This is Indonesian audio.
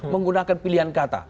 menggunakan pilihan kata